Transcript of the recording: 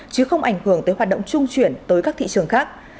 chứ không ảnh hưởng tới hoạt động trung chuyển tới các thị trường khác